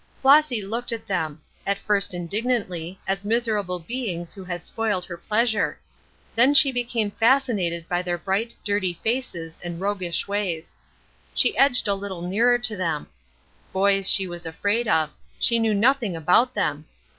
Flossy looked at them; at first indignantly, as at miserable beings who had spoiled her pleasure; then she became fascinated by their bright, dirty faces and roguish ways. She edged a little nearer to them. Boys she was afraid of; she knew nothing about them.